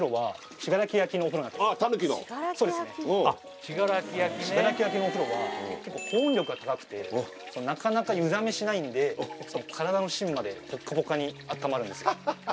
信楽焼のお風呂は結構保温力が高くてなかなか湯冷めしないんで体の芯までぽっかぽかに温まるんですハハハ